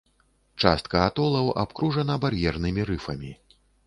Частка атолаў абкружана бар'ернымі рыфамі.